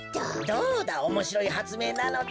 どうだおもしろいはつめいなのだ。